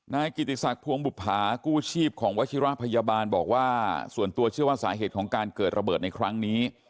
นายกิติศักดิ์พวงบุภากู้ชีพของวัชิระพยาบาลบอกว่าส่วนตัวเชื่อว่าสาเหตุของการเกิดระเบิดในครั้งนี้